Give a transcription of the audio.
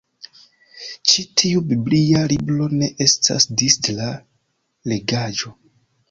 Ĉi tiu biblia libro ne estas distra legaĵo.